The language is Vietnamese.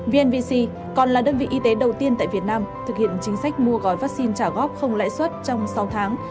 vnvc còn là đơn vị y tế đầu tiên tại việt nam thực hiện chính sách mua gói vaccine trả góp không lãi suất trong sáu tháng